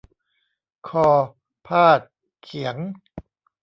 คอพาดเขียง